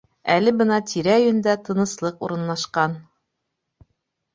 Әле бына тирә-йүндә тыныслыҡ урынлашҡан.